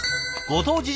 ご当地